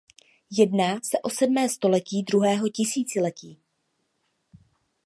Jedná se o sedmé století druhého tisíciletí.